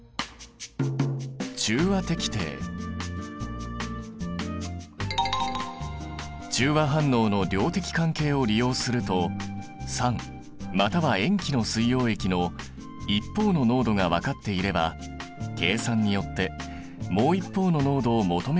中和反応の量的関係を利用すると酸または塩基の水溶液の一方の濃度がわかっていれば計算によってもう一方の濃度を求めることができる。